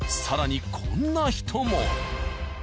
更にこんな人も。